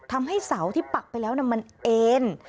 ทำให้เสาที่ปักไปแล้วมันเอ็น